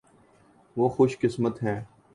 وہ خوش قسمت ہیں۔